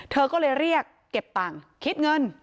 เธอก็เลยเรียกเก็บตังค์คิดเงิน